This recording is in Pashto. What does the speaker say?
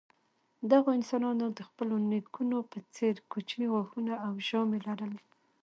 دغو انسانانو د خپلو نیکونو په څېر کوچني غاښونه او ژامې لرلې.